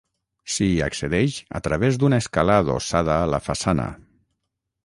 S’hi accedeix a través d’una escala adossada a la façana.